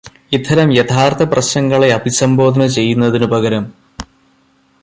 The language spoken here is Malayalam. ഇത്തരം യഥാര്ത്ഥപ്രശ്നങ്ങളെ അഭിസംബോധന ചെയ്യുന്നതിനു പകരം